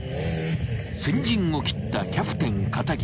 ［先陣を切ったキャプテン片桐］